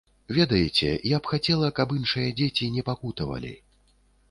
Ведаеце, я б хацела, каб іншыя дзеці не пакутавалі.